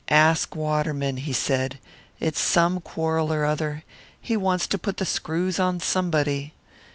"Ask Waterman," he said. "It's some quarrel or other; he wants to put the screws on somebody.